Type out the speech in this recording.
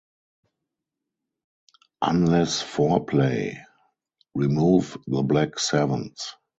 Unless four play, remove the black Sevens.